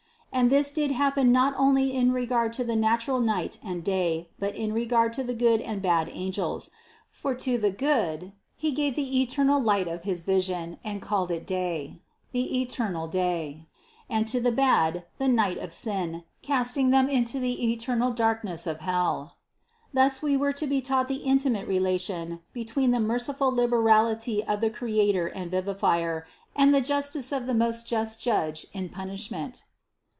And this did happen not only in regard to the natural night and day, but in regard to the good and bad angels ; for to the good, He gave the eternal light of his vision and called it day, the eternal day; and to the bad, the night of sin, casting them into the eternal darkness of hell. Thus we were to be taught the inti mate relation between the merciful liberality of the Cre ator and Vivifier and the justice of the most just Judge in punishment.